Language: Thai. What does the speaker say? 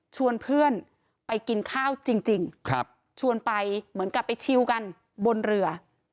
ชวนเพื่อนไปกินข้าวจริงชวนไปเหมือนกับไปชิวกันบนเรือ